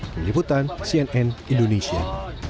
peneliputan cnn indonesia